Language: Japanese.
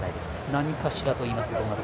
何かしらといいますと？